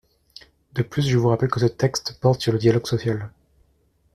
De plus, je vous rappelle que ce texte porte sur le dialogue social.